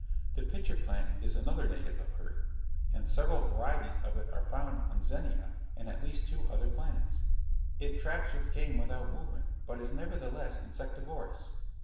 The pitcher plant is another native of Earth, and several varieties of it are found on Zenia and at least two other planets. It traps its game without movement, but is nevertheless insectivorous.